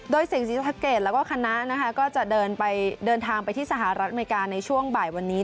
โดยสิ่งศรีสะเกดแล้วก็คณะนะคะก็จะเดินทางไปที่สหรัฐอเมริกาในช่วงบ่ายวันนี้